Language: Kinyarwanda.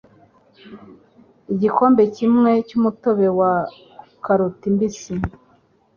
Igikombe kimwe cy'umutobe wa karoti mbisi,